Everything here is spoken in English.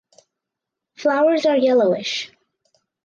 Flowers are yellowish.